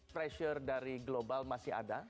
pressure dari global masih ada